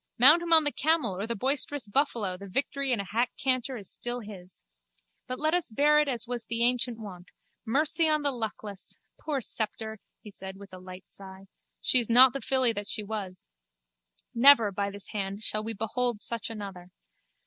Mount him on the camel or the boisterous buffalo the victory in a hack canter is still his. But let us bear it as was the ancient wont. Mercy on the luckless! Poor Sceptre! he said with a light sigh. She is not the filly that she was. Never, by this hand, shall we behold such another.